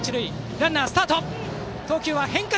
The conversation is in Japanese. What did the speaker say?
ランナー、スタート！